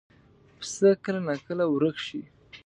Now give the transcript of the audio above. پسه کله ناکله ورک شي.